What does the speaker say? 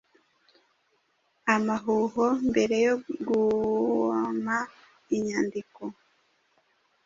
amahuho mbere yo guoma inyandiko